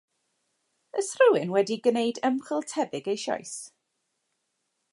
'S rhywun wedi gwneud ymchwil tebyg eisoes?